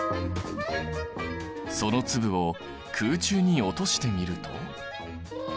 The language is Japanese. その粒を空中に落としてみると。